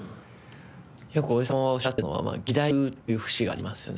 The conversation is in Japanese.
よくおじ様がおっしゃってたのが義太夫という節がありますよね。